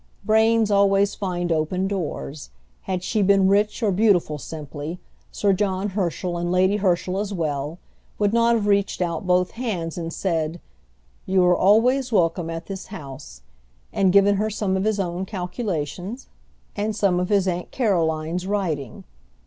Brains always find open doors. Had she been rich or beautiful simply, Sir John Herschel, and Lady Herschell as well, would not have reached out both hands, and said, "You are always welcome at this house," and given her some of his own calculations? and some of his Aunt Caroline's writing.